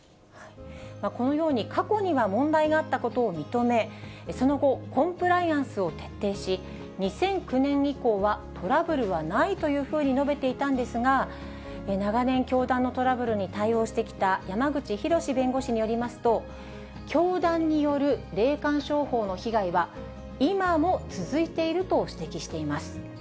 このように、過去には問題があったことを認め、その後、コンプライアンスを徹底し、２００９年以降はトラブルはないというふうに述べていたんですが、長年、教団のトラブルに対応してきた山口広弁護士によりますと、教団による霊感商法の被害は、今も続いていると指摘しています。